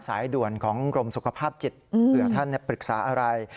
สายด่วนของกรมสุขภาพจิตเผื่อท่านปรึกษาอะไร